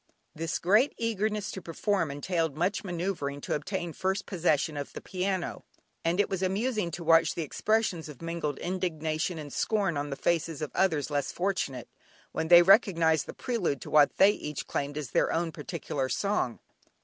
This great eagerness to perform entailed much manoeuvring to obtain first possession of the piano, and it was amusing to watch the expressions of mingled indignation and scorn on the faces of others less fortunate, when they recognised the prelude to what they each claimed as their own particular song.